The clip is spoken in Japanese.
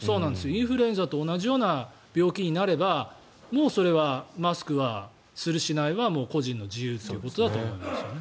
インフルエンザと同じような病気になればもうそれはマスクをするしないは個人の自由だと思いますね。